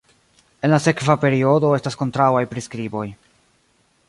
En la sekva periodo estas kontraŭaj priskriboj.